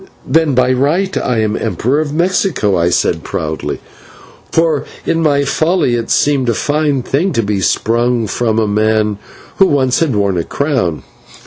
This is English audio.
"Then by right I am Emperor of Mexico," I said proudly, for in my folly it seemed a fine thing to be sprung from men who once had worn a crown.